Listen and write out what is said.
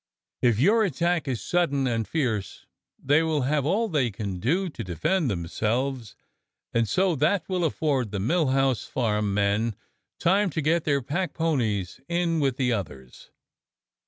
If your attack is sudden and fierce they will have all they can do to de fend themselves, and so that will afford the Mill House Farm men time to get their packponies in with the others.